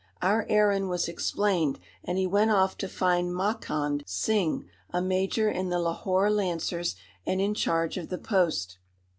Our errand was explained and he went off to find Makand Singh, a major in the Lahore Lancers and in charge of the post.